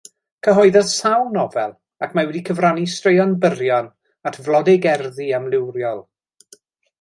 Cyhoeddodd sawl nofel ac mae wedi cyfrannu straeon byrion at flodeugerddi amrywiol.